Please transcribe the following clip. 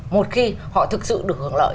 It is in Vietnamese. một khi họ thực sự được hướng lợi